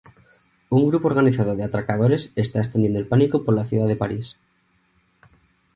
Un grupo organizado de atracadores está extendiendo el pánico por la ciudad de París.